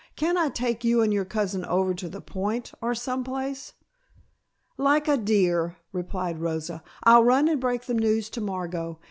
"Can't I take you and your cousin over to the Point, or some place?" "Like a dear," replied Rosa. "I'll run and break the news to Margot.